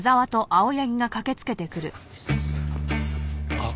あっ。